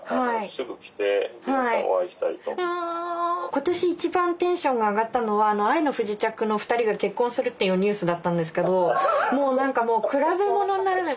今年一番テンションが上がったのは「愛の不時着」の２人が結婚するっていうニュースだったんですけどもう何かもう比べものにならない。